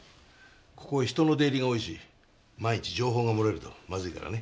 ここは人の出入りが多いし万一情報が漏れるとまずいからね。